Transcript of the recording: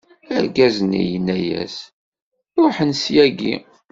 Argaz-nni yenna-yas: Ṛuḥen ssyagi.